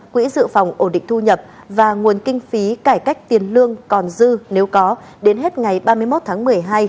quỹ dự phòng ổ định thu nhập và nguồn kinh phí cải cách tiền lương còn dư nếu có đến hết ngày ba mươi một tháng